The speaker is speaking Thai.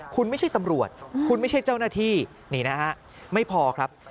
คุณไม่ใช่ตำรวจคุณไม่ใช่เจ้าหน้าที่นี่นะฮะไม่พอครับ